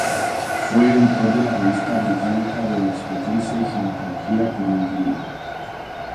Fue editor de la Revista Británica de Obstetricia y Ginecología por un periodo.